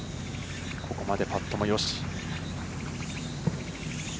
ここまでパットもよし。